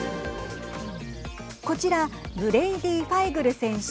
こちらブレイディ・ファイグル選手。